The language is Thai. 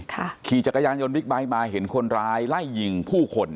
ค่ะขี่จักรยานยนต์วิกบายบายเห็นคนร้ายไล่ยิงผู้คน